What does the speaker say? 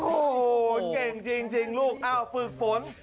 โอ้โหเก่งจริงลูกอ้าวฝึกฝน